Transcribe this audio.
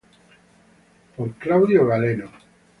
Por Claudio Galeno.